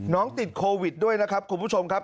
ติดโควิดด้วยนะครับคุณผู้ชมครับ